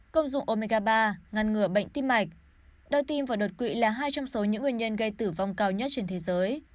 công dụng omega ba ngăn ngừa bệnh tim mạch đau tim và đột quỵ là hai trong số những nguyên nhân gây tử vong cao nhất trên thế giới